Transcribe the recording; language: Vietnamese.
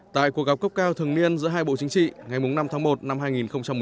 tại cuộc gặp cấp cao thường niên giữa hai bộ chính trị ngày năm tháng một năm hai nghìn một mươi chín